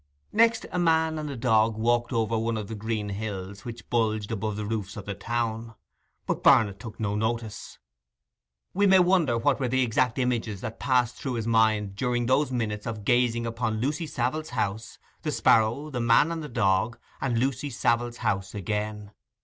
Next a man and a dog walked over one of the green hills which bulged above the roofs of the town. But Barnet took no notice. We may wonder what were the exact images that passed through his mind during those minutes of gazing upon Lucy Savile's house, the sparrow, the man and the dog, and Lucy Savile's house again.